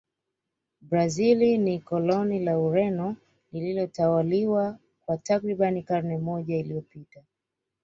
brazil ni koloni la ureno lililotawaliwa kwa takribani karne moja iliyopita